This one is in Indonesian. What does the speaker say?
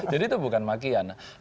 jadi itu bukan makian